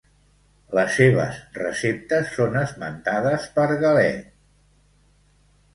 Les seves receptes són esmentades per Galè.